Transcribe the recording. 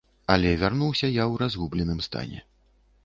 Але вярнуўся я ў разгубленым стане.